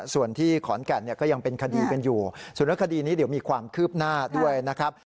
ส่วนที่ขอนแก่นเนี่ยก็ยังเป็นคดีกันอยู่ส่วนคดีนี้เดี๋ยวมีความคืบหน้าด้วยนะครับ